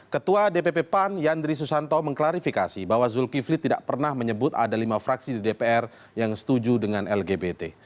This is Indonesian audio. ketua dpp pan yandri susanto mengklarifikasi bahwa zulkifli tidak pernah menyebut ada lima fraksi di dpr yang setuju dengan lgbt